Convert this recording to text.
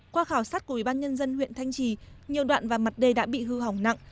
qua khảo sát của ubnd huyện thanh trì nhiều đoạn và mặt đê đã bị hư hỏng nặng